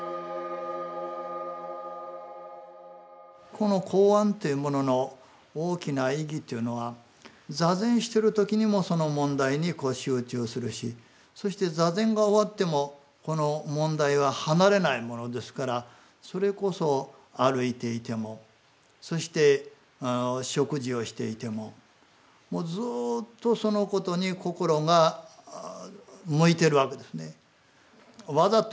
この公案というものの大きな意義というのは坐禅している時にもその問題に集中するしそして坐禅が終わってもこの問題は離れないものですからそれこそ歩いていてもそして食事をしていてももうずっとそのことに心が向いているわけですね。